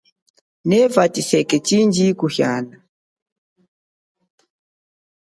Neva tshiseke tshindji kuhiana lume.